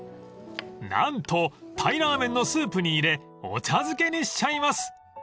［何と鯛らーめんのスープに入れお茶漬けにしちゃいます］